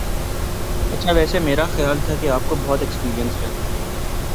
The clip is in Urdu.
اچھا ویسے میرا خیال تھا کہ آپ کو بہت ایکسپیرینس ہے